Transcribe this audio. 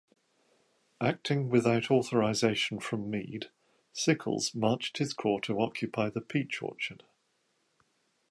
Acting without authorization from Meade, Sickles marched his corps to occupy the peach orchard.